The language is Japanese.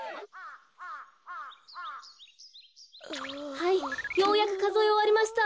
はいようやくかぞえおわりました。